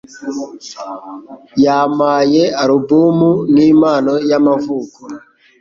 Yampaye alubumu nkimpano y'amavuko.